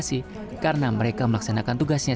siap perintah dilaksanakan jenderal